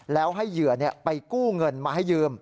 แล้วให้เหยื่อไปกู้เงินมาให้ยืม